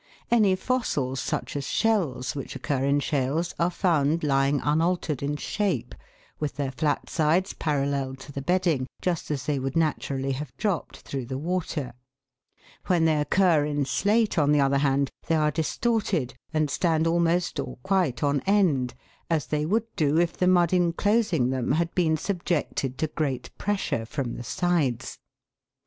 Any fossils, such as shells, which occur in shales, are found lying unaltered in shape, with their flat sides parallel to the bedding, just as they would naturally have dropped through the water. When they occur in slate, on the other hand, they are distorted, and stand almost or quite on end, as they would do if the mud enclosing them had been subjected to great pressure from the sides.